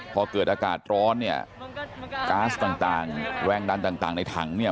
พอเกิดอากาศร้อนเนี่ยก๊าซต่างแรงดันต่างในถังเนี่ย